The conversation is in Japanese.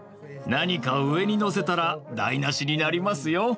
何かを上に載せたら台なしになりますよ。